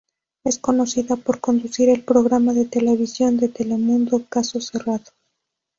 Es conocida por conducir el programa de televisión de Telemundo, "Caso Cerrado".